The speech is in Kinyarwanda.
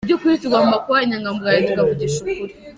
Mu by’ukuri tugomba kuba inyangamugayo, tukavugisha ukuri.